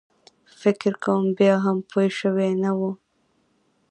فکر کوم بیا هم پوی شوی نه و.